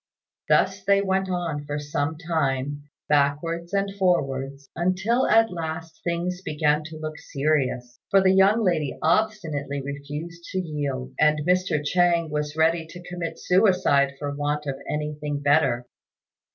Thus they went on for some time, backwards and forwards, until at last things began to look serious, for the young lady obstinately refused to yield; and Mr. Chang was ready to commit suicide for want of anything better.